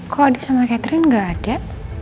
kok adi sama catherine gak ada